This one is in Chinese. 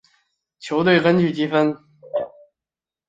球队根据积分。